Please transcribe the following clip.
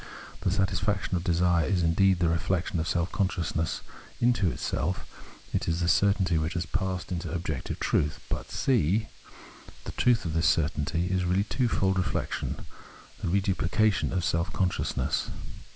The satisfaction of desire is indeed the reflexion of self consciousness into itself, is the certainty which has passed into objective truth. But (c) the truth of this certainty is reaUy twofold reflexion, the reduphcation of self consciousness.